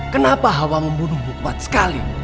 kenapa hawa membunuhmu kuat sekali